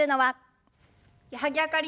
矢作あかりです。